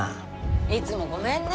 いつもごめんね。